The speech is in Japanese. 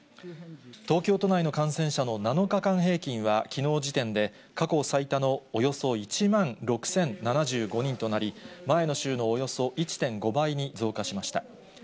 東京都内の感染者の７日間平均はきのう時点で、過去最多のおよそ１万６０７５人となり、前の週のおよそ１．５倍に増加しました。